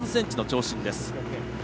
１ｍ８３ｃｍの長身です。